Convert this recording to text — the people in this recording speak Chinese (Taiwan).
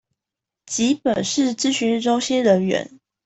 及本市諮詢中心人員